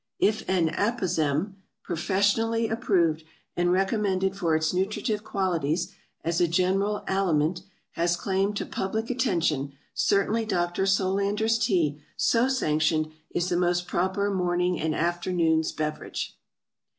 If an Apozem PROFESSIONALLY approved and recommended for its nutritive qualities, as a general aliment, has claim to public attention, certainly Dr. SOLANDER'S TEA, so sanctioned, is the most proper morning and afternoon's beverage.